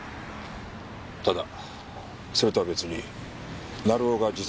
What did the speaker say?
ただそれとは別に成尾が自殺した夜。